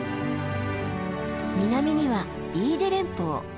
南には飯豊連峰。